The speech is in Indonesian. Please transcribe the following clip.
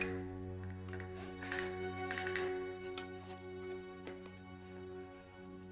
ya ya gak